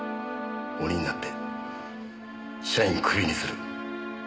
鬼になって社員クビにする。